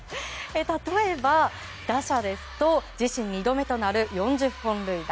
例えば、打者ですと自身２度目となる４０本塁打。